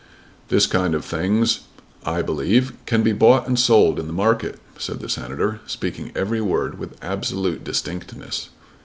"This kind of things, I believe, can be bought and sold in the market," said the Senator, speaking every word with absolute distinctness.